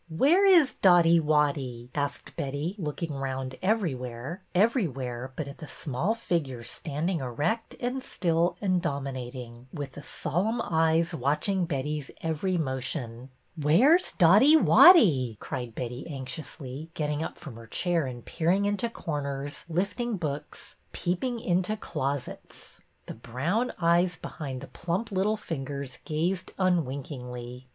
" Where is Dotty Wotty? " asked Betty, look ing round everywhere, everywhere but at the small figure standing erect and still and dominat ing, with the solemn eyes watching Betty's every motion. PICKLES 65 Where's Dotty Wotty?" cried Betty, anx iously, getting up from her chair and peering into corners, lifting books, peeping into closets. The brown eyes behind the plump little fingers gazed unwinkingly.